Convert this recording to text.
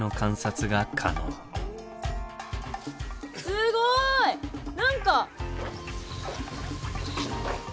すごい！何か。